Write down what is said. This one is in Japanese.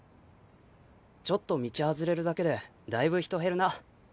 ちょっと道外れるだけでだいぶ人減るな。